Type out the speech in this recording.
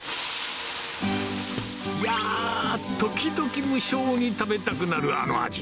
いやー、ときどき無性に食べたくなるあの味。